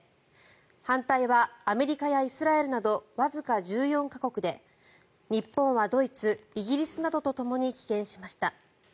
反対はアメリカやイスラエルなどわずか１４か国で日本はドイツ、イギリスなどとともに棄権しました。